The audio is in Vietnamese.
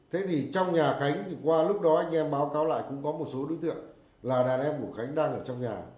thế thì trong nhà khánh thì qua lúc đó anh em báo cáo lại cũng có một số đối tượng là đàn em của khánh đang ở trong nhà